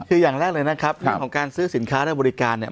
คืออย่างแรกเลยนะครับเรื่องของการซื้อสินค้าและบริการเนี่ย